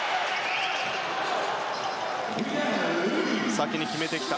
先に決めてきた。